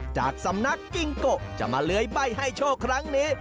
จากสำนักกิ้งโกะจะมาเลื้อยใบ้ให้โชคครั้งนี้